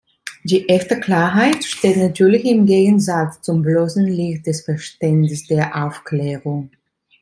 Die "echte Klarheit" steht natürlich im Gegensatz zum bloßen Licht des Verstandes der Aufklärung.